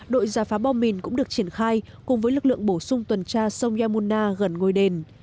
đội giả phá bom mìn cũng được triển khai cùng với lực lượng bổ sung tuần tra sông yamona gần ngôi đền